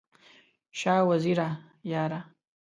شاه وزیره یاره!